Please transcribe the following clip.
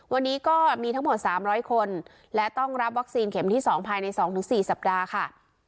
วันนี้ก็มีทั้งหมด๓๐๐คนและต้องรับวัคซีนเข็มที่๒ภายใน๒๔สัปดาห์ค่ะ